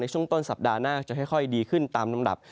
ช่วงต้นสัปดาห์หน้าจะค่อยดีขึ้นตามลำดับ